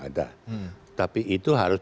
ada tapi itu harus